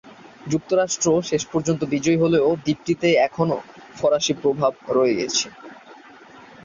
যুক্তরাজ্য শেষ পর্যন্ত বিজয়ী হলেও দ্বীপটিতে এখনও ফরাসি প্রভাব রয়ে গেছে।